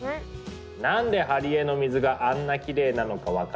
なんで針江の水があんなきれいなのか分かりますか？